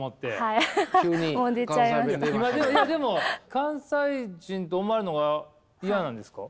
いやでも関西人と思われるのが嫌なんですか？